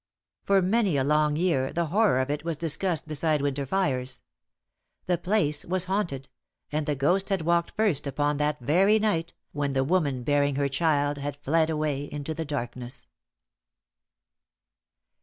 For many a long year the horror of it was discussed beside winter fires. The place was haunted, and the ghost had walked first upon that very night, when the woman, bearing the child, had fled away into the darkness.